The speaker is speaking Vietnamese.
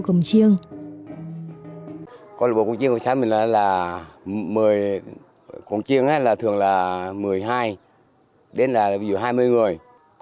công chiêng có lúc bộ công chiêng của xã mình là một mươi công chiêng thường là một mươi hai đến là ví dụ hai mươi người